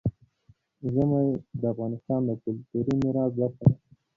ژمی د افغانستان د کلتوري میراث برخه ده.